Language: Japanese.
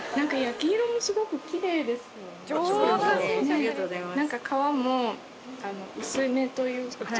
ありがとうございます。